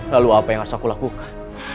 lalu apa yang harus aku lakukan